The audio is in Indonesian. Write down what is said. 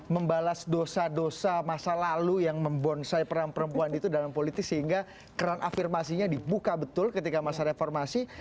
membalas dosa dosa masa lalu yang membonsai perang perempuan itu dalam politik sehingga keran afirmasinya dibuka betul ketika masa reformasi